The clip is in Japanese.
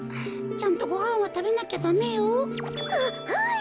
ちゃんとごはんはたべなきゃダメよ。ははい！